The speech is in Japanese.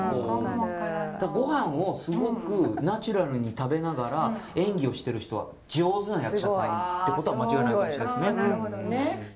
だからごはんをすごくナチュラルに食べながら演技をしてる人は上手な役者さんってことは間違いないかもしれないですね。